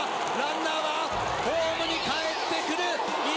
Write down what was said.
ランナーはホームに返ってくる！